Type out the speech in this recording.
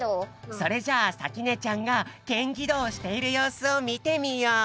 それじゃあさきねちゃんがケンギドーをしているようすを見てみよう！